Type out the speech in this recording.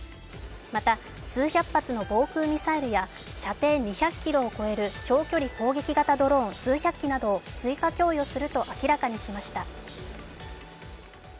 また、数百発の防空ミサイルや射程２００ｋｍを超える長距離攻撃型ドローン数百機などを追加供与すると明らかにしました。